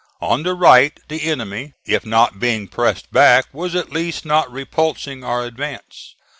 On the right the enemy, if not being pressed back, was at least not repulsing our advance.